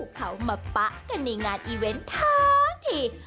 เขามาปะกันในงานอีเวนต์ทั้งที